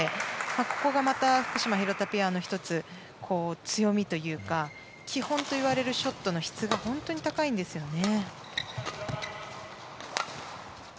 ここがまた福島、廣田ペアの強みというか基本といわれるショットの質が本当に高いんですよね。